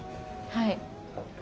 はい。